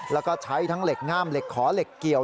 แล้วก็ใช้ทั้งเหล็กง่ามเหล็กขอเหล็กเกี่ยว